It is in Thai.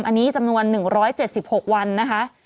อันนี้จำนวน๑๗๖วันนะคะ